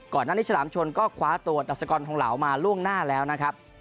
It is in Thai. ก่อนหน้านี้ฉลามชนก็คว้าตัวดัสกรทองเหลามาล่วงหน้าแล้วนะครับ